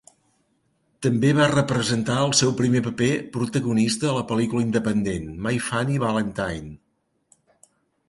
També va representar el seu primer paper protagonista a la pel·lícula independent "My Funny Valentine".